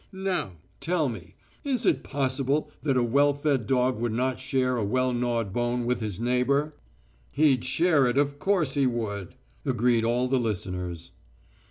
Now, tell me, is it possible that a well fed dog would not share a gnawed bone with his neighbour?" "He'd share it, of course he would!" agreed all the listeners.